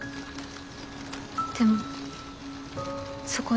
でもそこで。